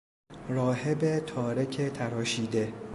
راهب تارک تراشیده